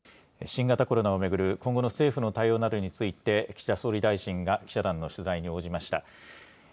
新型コロナを巡る今後の政府の対応などについて岸田総理大臣が記者団も取材に応じました。